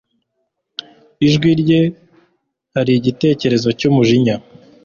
Ijwi rye hari igitekerezo cyumujinya.